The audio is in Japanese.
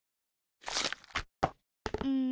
うん？